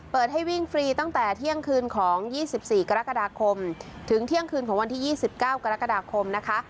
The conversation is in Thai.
เปิดให้วิ่งฟรีตั้งแต่เที่ยงคืนของยี่สิบสี่กรกฎาคมถึงเที่ยงคืนของวันที่ยี่สิบเก้ากรกฎาคมนะคะ